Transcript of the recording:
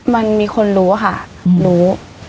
มันมีคนรู้ค่ะรู้